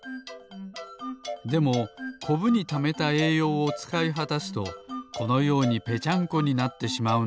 でもコブにためたえいようをつかいはたすとこのようにぺちゃんこになってしまうんです。